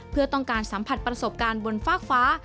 เพื่อต้องการสัมผัสประสบการณ์บนฟากฟ้า